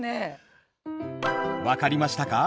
分かりましたか？